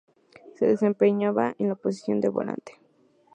Se desempeñaba en la posición de volante.